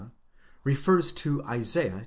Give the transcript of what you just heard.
refers to Isaiah i.